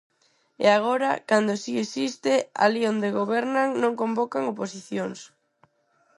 E agora, cando si existe, alí onde gobernan non convocan oposicións.